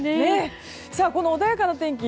この穏やかな天気